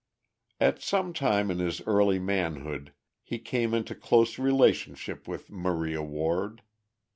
At some time in his early manhood he came into close relationship with Maria Ward.